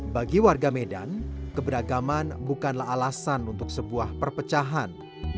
bagi warga medan keberagaman bukanlah alasan untuk sebuah perpecahan